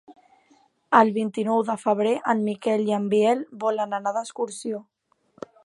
El vint-i-nou de febrer en Miquel i en Biel volen anar d'excursió.